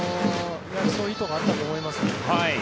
そういう意図があったと思います。